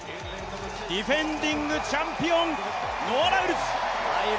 ディフェンディングチャンピオン、ノア・ライルズ。